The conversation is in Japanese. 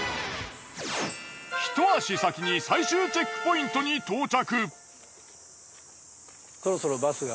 ひと足先に最終チェックポイントに到着。